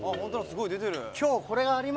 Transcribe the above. すごい出てる。